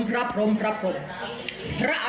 ร้านมหาสกบสฆามาฮา